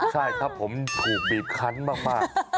ใช่ถ้าผมถูกบีบคันมาก